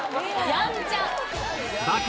やんちゃ。